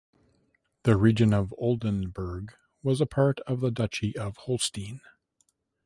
The region of Oldenburg was a part of the Duchy of Holstein.